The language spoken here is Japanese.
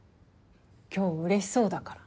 今日うれしそうだから。